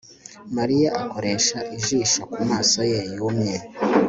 Mariya akoresha ijisho kumaso ye yumye